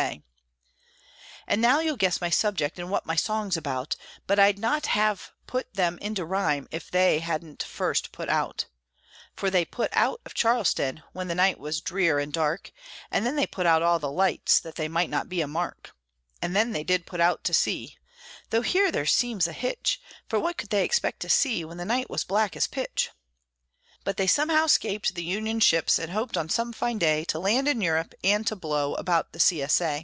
A. And now you'll guess my subject, and what my song's about; But I'd not have put them into rhyme, if they hadn't first put out; For they put out of Charleston, when the night was drear and dark, And then they put out all the lights, that they might not be a mark; And then they did put out to sea (though here there seems a hitch, For what could they expect to see when the night was black as pitch?), But they somehow 'scaped the Union ships, and hoped on some fine day To land in Europe and to "blow" about the C. S. A.